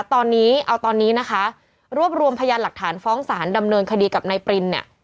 ตอนนี้เอาตอนนี้นะคะรวบรวมพยานหลักฐานฟ้องสารดำเนินคดีกับนายปรินเนี่ย